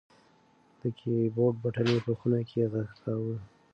د کیبورډ بټنې په خونه کې غږ کاوه.